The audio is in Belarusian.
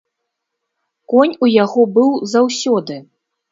Конь у яго быў заўсёды.